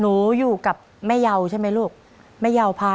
น้องป๋องเลือกเรื่องระยะทางให้พี่เอื้อหนุนขึ้นมาต่อชีวิตเป็นคนต่อไป